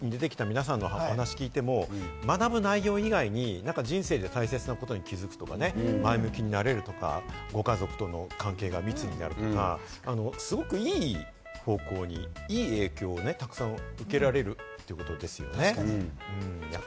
ＶＴＲに出てきた、皆さんのお話を聞いても学ぶ内容以外に人生で大切なことに気づくのが前向きになれるとか、ご家族との関係が密になるとか、すごくいい方向にいい影響をたくさん受けられるということですよね？